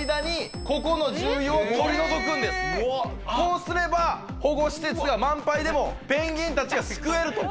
このこうすれば保護施設が満杯でもペンギンたちを救えると。